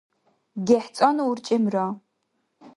гехӀцӀанну урчӀемра